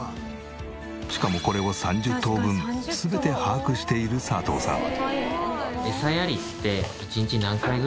しかもこれを３０頭分全て把握している佐藤さん。